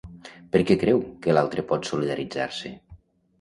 Per què creu que l'altre pot solidaritzar-se?